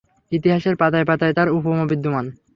ইতিহাসের পাতায় পাতায় তার উপমা বিদ্যমান।